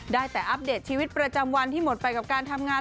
ได้แต่อัปเดตชีวิตประจำวันที่หมดไปกับการทำงาน